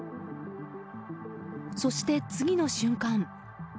そして、次の瞬間。